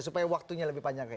supaya waktunya lebih panjang